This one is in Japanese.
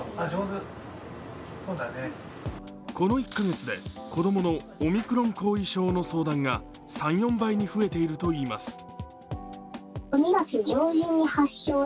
この１カ月で子供のオミクロン後遺症の相談が３４倍に増えているといいます。